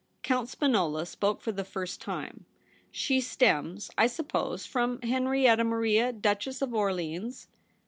Count Spinola spoke for the first time. * She stems, I suppose, from Henrietta Maria, Duchess of Orleans